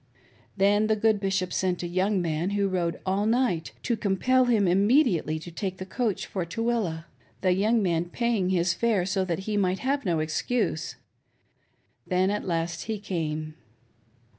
Then the good Bishop sent a young man, who rode all night, to compel him immediately to take the coach fo.f Tooele — the young man paying his fare so that he might have no excuse. Then, at last, he came.